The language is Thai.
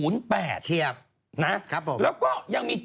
แล้วก็ยังมี๗๐๑